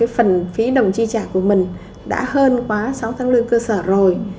phần phí đồng chi trả của mình đã hơn quá sáu tháng lương cơ sở rồi